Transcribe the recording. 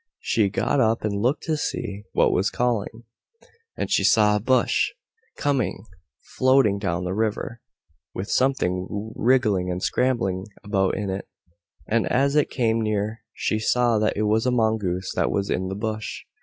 She got up and looked to see what was calling, and she saw a bush coming floating down the river with something wriggling and scrambling about in it, and as it came near she saw that it was a Mongoose that was in the bush.